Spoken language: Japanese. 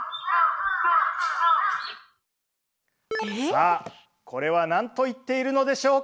さあこれは何と言っているのでしょうか？